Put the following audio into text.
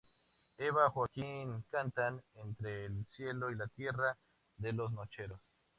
Eva y Joaquín cantan: 'Entre el cielo y la tierra' de Los Nocheros.